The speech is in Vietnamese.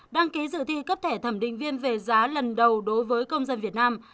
đăng ký dự thi cấp thẻ thẩm định viên về giá lần đầu đối với công dân việt nam